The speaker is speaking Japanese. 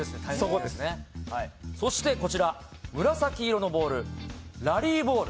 そして、紫色のボールラリーボール。